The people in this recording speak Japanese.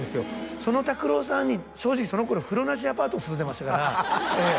そのＴＡＫＵＲＯさんに正直その頃風呂なしアパート住んでましたからええ